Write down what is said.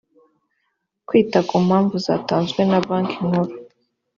kwita ku mpamvu zatanzwe na banki nkuru